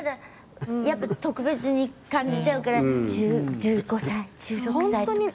やっぱ特別に感じちゃうから１５歳、１６歳とか。